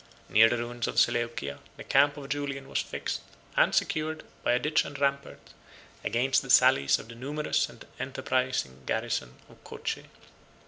Near the ruins of Seleucia, the camp of Julian was fixed, and secured, by a ditch and rampart, against the sallies of the numerous and enterprising garrison of Coche.